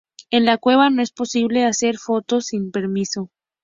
En la cueva no es posible hacer fotos sin permiso.